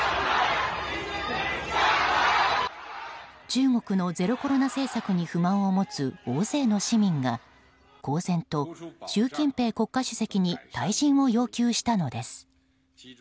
中国のゼロコロナ政策に不満を持つ大勢の市民が公然と習近平国家主席に退陣を要求したのです。